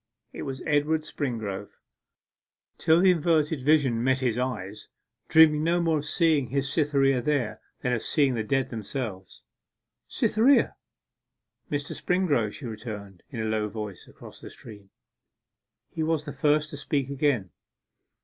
It was Edward Springrove till the inverted vision met his eye, dreaming no more of seeing his Cytherea there than of seeing the dead themselves. 'Cytherea!' 'Mr. Springrove,' she returned, in a low voice, across the stream. He was the first to speak again.